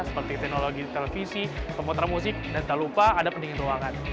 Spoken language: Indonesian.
seperti teknologi televisi komputer musik dan tak lupa ada pendingin ruangan